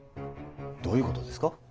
どういうことですか。